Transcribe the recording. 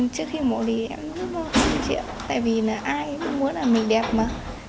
trước khi mổ thì em rất mong chờ chị tại vì ai cũng muốn là mình đẹp mà